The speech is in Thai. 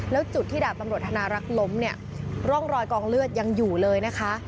แล้วจุดที่ดาบตำรวจธนารักษ์ล้มเนี่ยร่องรอยกองเลือดยังอยู่เลยนะคะ